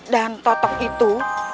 dan totok itu